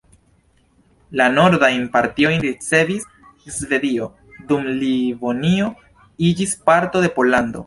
La nordajn partojn ricevis Svedio, dum Livonio iĝis parto de Pollando.